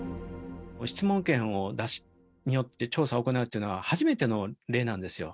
質問権によって調査を行うっていうのは初めての例なんですよ。